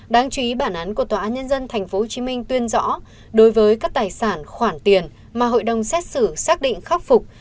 đáng chú ý bản án của tòa án nhân dân tp hcm tuyên rõ đối với các tài sản khoản tiền mà hội đồng xét xử xác định khắc phục